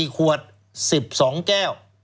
๔ขวด๑๒แก้ว